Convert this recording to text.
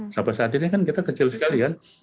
sampai saat ini kan kita kecil sekali kan